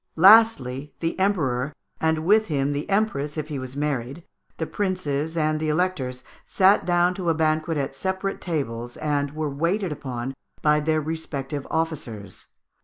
Lastly, the Emperor, and with him the Empress if he was married, the princes, and the Electors, sat down to a banquet at separate tables, and were waited upon by their respective officers.